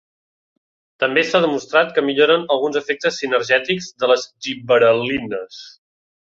També s'ha demostrat que milloren alguns efectes sinergètics de les gibberel·lines.